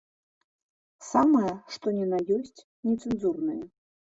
Самае што ні на ёсць нецэнзурнае.